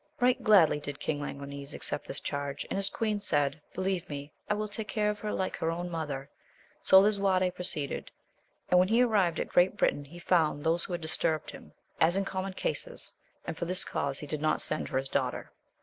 Eight gladly did King Languines accept this charge, and his queen said, Believe me, I will take care of her like her own mother. So Lisu arte proceeded ; and, when he arrived at Great Britain, he found those who disturbed him, as is common in such cases, and for this cause he did not send for his daughter.